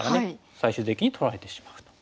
最終的に取られてしまう。